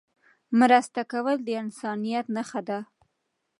مرسته کول د انسانيت نښه ده.